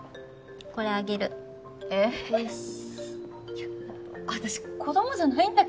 いや私子どもじゃないんだけど。